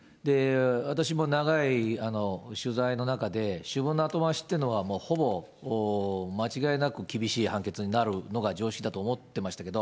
私も長い取材の中で、主文の後回しっていうのは、もうほぼ間違いなく厳しい判決になるのが常識だと思ってましたけど。